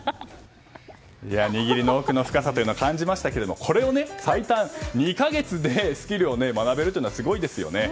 握りの奥の深さというのを感じましたけど最短２か月でこのスキルを学べるというのはすごいですよね。